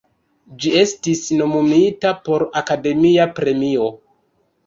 Ĝi estis nomumita por Akademia Premio.